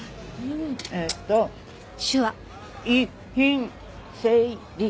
えっと遺品整理士。